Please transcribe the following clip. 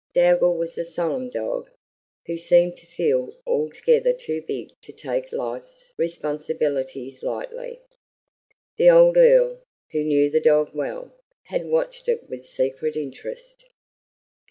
Dougal was a solemn dog, who seemed to feel altogether too big to take life's responsibilities lightly. The old Earl, who knew the dog well, had watched it with secret interest.